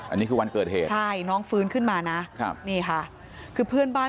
อันนี้คือวันเกิดเหตุใช่น้องฟื้นขึ้นมานะครับนี่ค่ะคือเพื่อนบ้าน